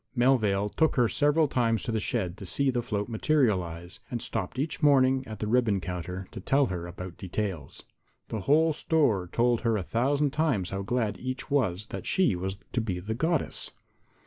Melvale took her several times to the shed to see the float materialize, and stopped each morning at the ribbon counter to tell her about details. The whole store told her a thousand times how glad each was that she was to be the Goddess.